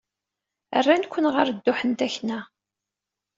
Rran-ken ɣer dduḥ n takna.